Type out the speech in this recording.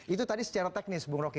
itu tadi secara teknis mung roki